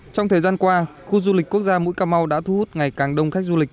trong thời gian qua khu du lịch quốc gia mũi cà mau đã thu hút ngày càng đông khách du lịch